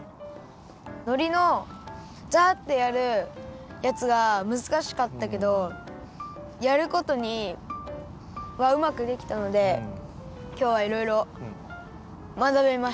のりのザッてやるやつがむずかしかったけどやるごとにはうまくできたのできょうはいろいろまなべました。